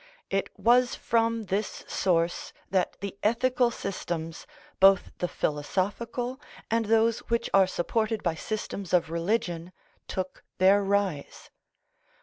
It was from this source that the ethical systems, both the philosophical and those which are supported by systems of religion, took their rise.